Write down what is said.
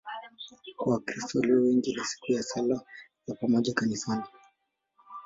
Kwa Wakristo walio wengi ni siku ya sala za pamoja kanisani.